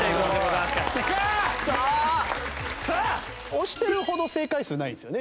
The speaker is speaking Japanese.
押してるほど正解数ないですよね